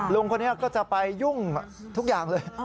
ลุงคนนี้ก็จะไปยุ่งทุกอย่างเลย